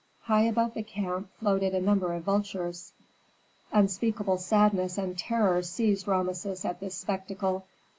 High above the camp floated a number of vultures. Unspeakable sadness and terror seized Rameses at this spectacle.